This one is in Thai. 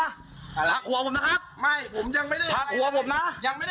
พาขัวผมนะครับไม่ผมยังไม่ได้พาขัวผมนะยังไม่ได้อะไรเลย